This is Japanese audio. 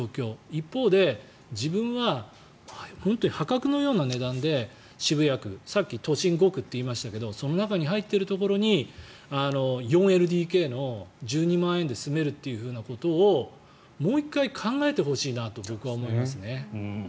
一方で自分は本当に破格のような値段で渋谷区さっき都心５区と言いましたけどその中に入っているところに４ＬＤＫに１２万円で住めるということをもう１回、考えてほしいなと僕は思いますね。